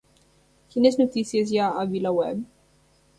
Quines notícies hi ha a Vilaweb?